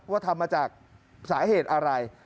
ว่าทำมาจากสาเหตุอะไร